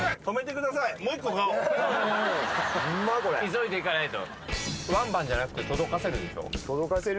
急いで行かないと。